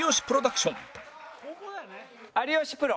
有吉プロ。